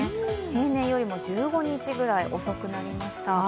平年よりも１５日ぐらい遅くなりました。